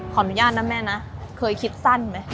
ขออนุญาตนะแม่นะเคยคิดสั้นมั้ย